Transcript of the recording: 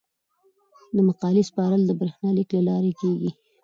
د مقالې سپارل د بریښنالیک له لارې کیږي.